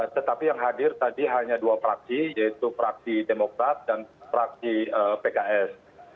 tetapi yang hadir tadi hanya dua praksi yaitu praksi demokrat dan praksi pks